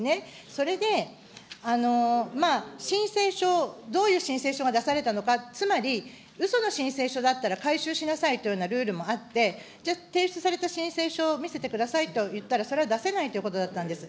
それで、申請書、どういう申請書が出されたのか、つまり、うその申請書だったら、回収しなさいというようなルールもあって、じゃあ、提出された申請書を見せてくださいと言ったら、それは出せないということだったんです。